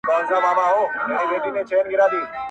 o تا په درد كاتــــه اشــــنــــا.